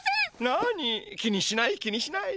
なに気にしない気にしない。